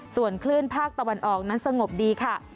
ส่วนคลื่นภาคตะวันออกนั้นสงบดีค่ะ